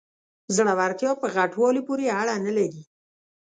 زړورتیا په غټوالي پورې اړه نلري.